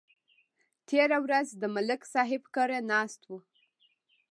تېره ورځ د ملک صاحب کره ناست وو